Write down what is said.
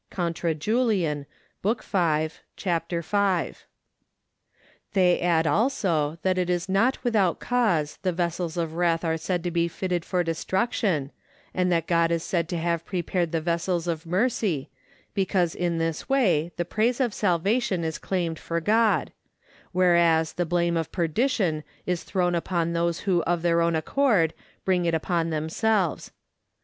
Cont. Julian., Lib. v., c. 5). They add also, that it is not without cause the vessels of wrath are said to be fitted for destruction, and that God is said to have prepared the vessels of mercy, because in this way the praise of salvation is claimed for God; whereas the blame of perdition is thrown upon those who of their own accord bring it upon themselves.